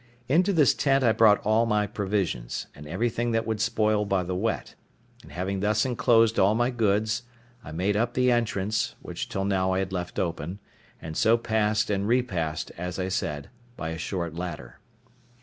Into this tent I brought all my provisions, and everything that would spoil by the wet; and having thus enclosed all my goods, I made up the entrance, which till now I had left open, and so passed and repassed, as I said, by a short ladder.